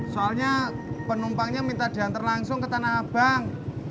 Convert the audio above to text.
soalnya penumpangnya minta diantar langsung ke tanah abang